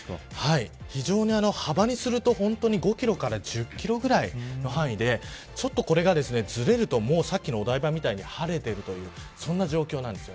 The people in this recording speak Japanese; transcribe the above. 非常に幅にすると５キロから１０キロぐらいの範囲でこれがずれるとさっきのお台場みたいに晴れているというそんな状況です。